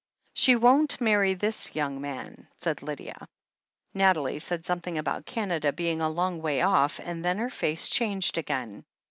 "She won't marry this young man," said Lydia. Nathalie said something about Canada being a long way off, and then her face changed again.